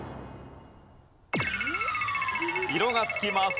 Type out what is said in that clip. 色が付きます。